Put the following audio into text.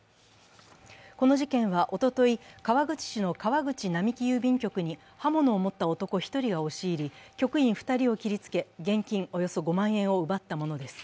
この事件はおととい、川口市の川口並木郵便局に刃物を持った男１人が押し入り局員２人を切りつけ、現金およそ５万円を奪ったものです